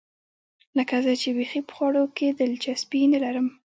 لکه زه چې بیخي په خوړو کې دلچسپي نه لرم.